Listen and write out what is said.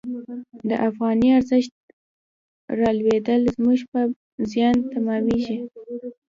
د افغانۍ ارزښت رالوېدل زموږ په زیان تمامیږي.